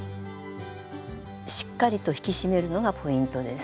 しっかりと引き締めるのがポイントです。